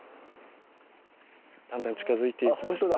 だんだん近づいてきました。